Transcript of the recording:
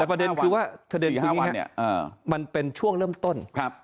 แต่ประเด็นคือว่าประเด็นคือนี้มันเป็นช่วงเริ่มต้น